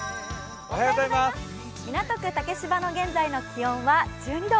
港区竹芝の現在の気温は１２度。